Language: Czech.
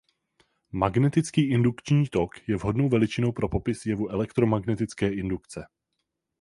Magnetický indukční tok je vhodnou veličinou pro popis jevu elektromagnetické indukce.